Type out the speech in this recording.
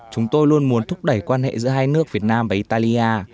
chúng tôi luôn muốn thúc đẩy quan hệ giữa hai nước việt nam và italia